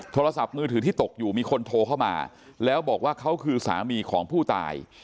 โทรศัพท์มือถือที่ตกอยู่มีคนโทรเข้ามาแล้วบอกว่าเขาคือสามีของผู้ตาย